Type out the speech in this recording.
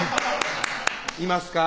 いますか？